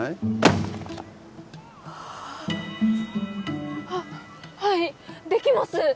ああははいできます